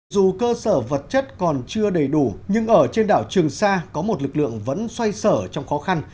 dù cơ sở vật chất còn chưa đầy đủ nhưng ở trên đảo trường sa có một lực lượng vẫn xoay sở trong khó khăn